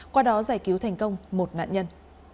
qua đó giải cứu thành công một nạn nhân